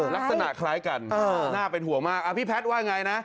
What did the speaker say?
ลักษณะคล้ายกันน่าเป็นห่วงมากพี่แพทย์ว่าไงนะ